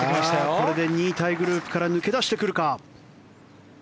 これで２位タイグループから抜け出してくるか。